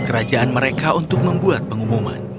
kerajaan mereka untuk membuat pengumuman